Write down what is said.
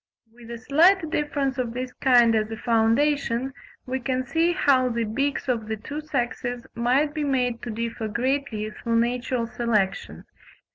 With a slight difference of this kind as a foundation, we can see how the beaks of the two sexes might be made to differ greatly through natural selection.